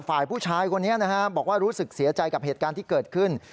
ฝ่ายผู้ชายคนนี้นะฮะบอกว่ารู้สึกเสียใจกับเหตุการณ์ที่เกิดขึ้น